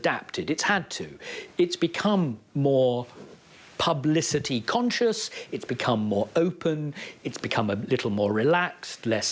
มันกลับไปใจส่วนหยุดล่าจะคล้มหลัก